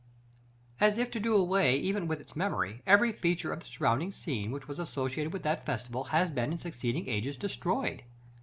§ XIV. As if to do away even with its memory, every feature of the surrounding scene which was associated with that festival has been in succeeding ages destroyed.